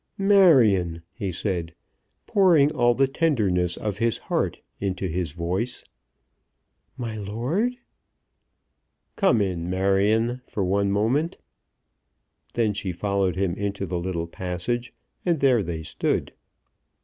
"Marion," he said, pouring all the tenderness of his heart into his voice. "My lord?" "Come in, Marion, for one moment." Then she followed him into the little passage, and there they stood.